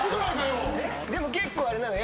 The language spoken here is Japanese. でも結構あれなの？